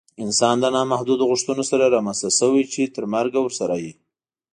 انسان له نامحدودو غوښتنو سره رامنځته شوی چې تر مرګه ورسره وي